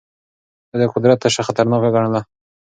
ده د قدرت تشه خطرناکه ګڼله.